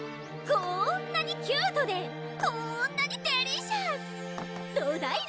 こんなにキュートでこんなにデリシャスどうだい？